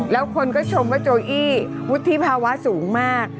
แล้วคนก็ชมว่าโจอี้วุฒิภาวะสูงมาก